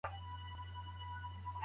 خپلي زده کړې په مینه ترسره کړه.